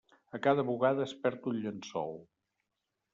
A cada bugada es perd un llençol.